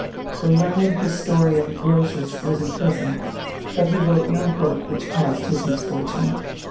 The learned historian Grotius was imprisoned, but he wrote no book which caused his misfortune.